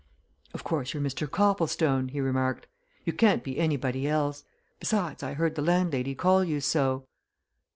"Of course you're Mr. Copplestone?" he remarked. "You can't be anybody else besides, I heard the landlady call you so."